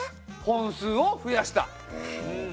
本数を増やした！